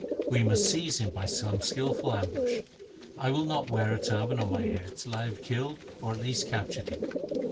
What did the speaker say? We must seize him by some skil ful ambush. I will not wear a turban on my head till I have killed or at least captured him.